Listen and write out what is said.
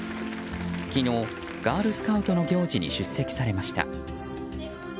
昨日、ガールスカウトの行事に出席されました。